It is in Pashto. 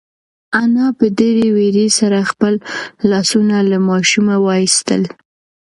انا په ډېرې وېرې سره خپل لاسونه له ماشومه وایستل.